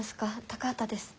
高畑です。